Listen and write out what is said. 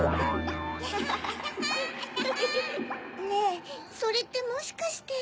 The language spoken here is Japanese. ハハハねぇそれってもしかして。